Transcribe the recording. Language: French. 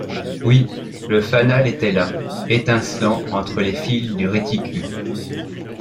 Oui! le fanal était là, étincelant entre les fils du réticule !